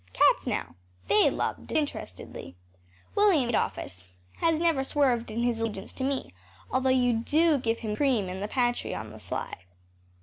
Cats now, they love disinterestedly. William Adolphus has never swerved in his allegiance to me, although you do give him cream in the pantry on the sly.